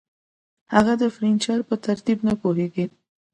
هغه د فرنیچر په ترتیب نه پوهیږي